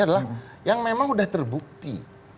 adalah yang memang sudah terbukti